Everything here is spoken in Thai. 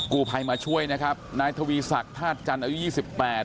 กู้ภัยมาช่วยนะครับนายทวีศักดิ์ธาตุจันทร์อายุยี่สิบแปด